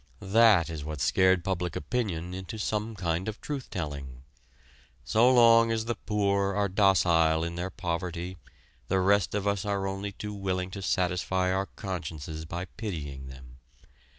That is what scared public opinion into some kind of truth telling. So long as the poor are docile in their poverty, the rest of us are only too willing to satisfy our consciences by pitying them.